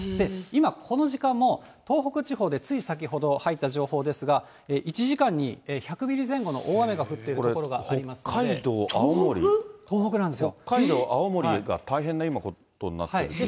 今、この時間も、東北地方でつい先ほど入った情報ですが、１時間に１００ミリ前後の大雨が降っている所がありますんで。